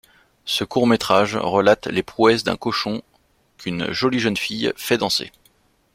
Ce court métrage relate les prouesses d'un cochon qu'une jolie jeune fille fait danser.